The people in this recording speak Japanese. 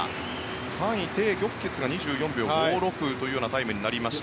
３位、テイ・ギョクケツが２４秒５６というタイムになりました。